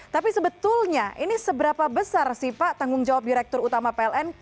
tapi sebetulnya ini seberapa besar sih pak tanggung jawab direktur utama pln